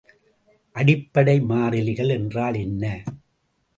அடிப்படை மாறிலிகள் என்றால் என்ன?